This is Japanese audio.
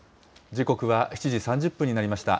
時刻は７時３０分になりました。